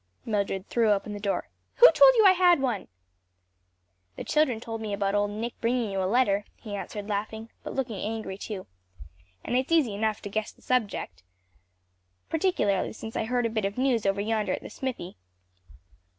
Mildred threw open the door. "Who told you I had one?" "The children told me about old Nick bringing you a letter," he answered laughing, but looking angry too, "and it's easy enough to guess the subject; particularly since I heard a bit of news over yonder at the smithy.